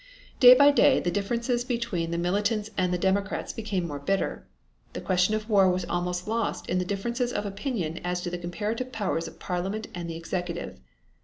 Day by day the differences between the militants and democrats became more bitter. The question of war was almost lost in the differences of opinion as to the comparative powers of Parliament and the Executive.